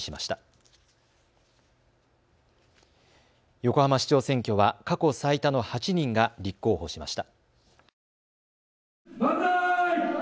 横浜市長選挙は過去最多の８人が立候補しました。